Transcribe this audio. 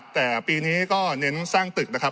แต่ปีนี้ก็เน้นสร้างตึกนะครับ